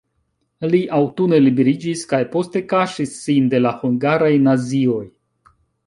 Li aŭtune liberiĝis kaj poste kaŝis sin de la hungaraj nazioj.